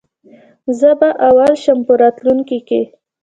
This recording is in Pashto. زه به اول شم په راتلونکې کي